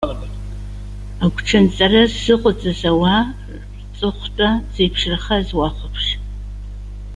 Агәҽанҵара ззыҟаҵаз ауаа рҵыхәтәа зеиԥшрахаз уахәаԥш